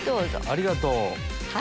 ありがとう。